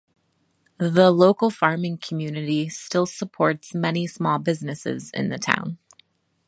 The local farming community still supports many small businesses in the town.